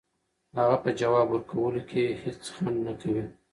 هغه په ځواب ورکولو کې هیڅ ځنډ نه کوي.